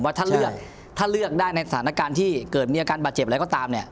เลือกถ้าเลือกได้ในสถานการณ์ที่เกิดมีอาการบาดเจ็บอะไรก็ตามเนี่ย